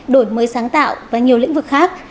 đổi mới sáng tạo và nhiều lĩnh vực khác